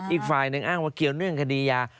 อีกฝ่ายหนึ่งอ้างว่าเกี่ยวเนื่องคดียา